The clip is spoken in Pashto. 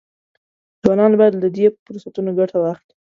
ځوانان باید له دې فرصتونو ګټه واخلي.